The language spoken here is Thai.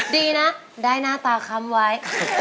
ดีนะได้หน้าตาค้ำไว้